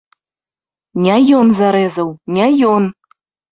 Не ён зарэзаў, не ён!